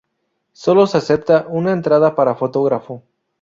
Sólo se acepta una entrada para fotógrafo.